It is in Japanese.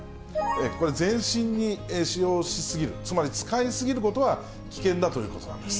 これ、全身に使用し過ぎる、つまり、使い過ぎることは危険だということなんです。